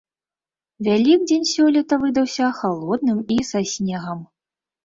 Вялікдзень сёлета выдаўся халодным і са снегам.